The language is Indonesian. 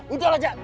udah lah jack